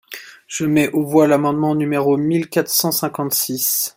Je mets aux voix l’amendement numéro mille quatre cent cinquante-six.